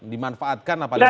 dimanfaatkan atau tidak